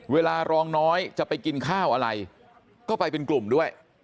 เวลารองน้อยจะไปกินข้าวอะไรก็ไปเป็นกลุ่มด้วย